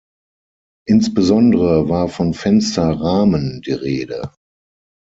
Insbesondere war von Fensterrahmen die Rede.